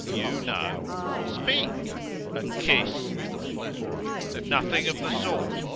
"You know." "Speak." "A kiss." "Nothing of the sort.